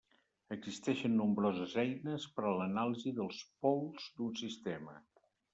Existeixen nombroses eines per a l'anàlisi dels pols d'un sistema.